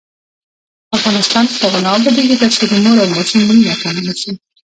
افغانستان تر هغو نه ابادیږي، ترڅو د مور او ماشوم مړینه کمه نشي.